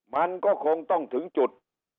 มันก็คงต้องถึงจุด